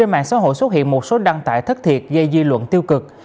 trên mạng xã hội xuất hiện một số đăng tải thất thiệt gây dư luận tiêu cực